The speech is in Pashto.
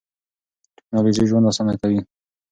ټکنالوژي ژوند اسانه کوي.